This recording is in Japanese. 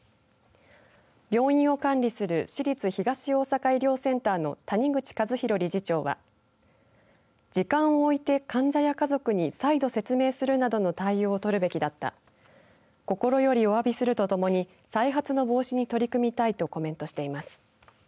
病院を管理する市立東大阪医療センターの谷口和博理事長は時間を置いて患者や家族に再度説明するなどの対応を取るべきだった心よりおわびするとともに再発の防止に取り組みたいとコメントしています。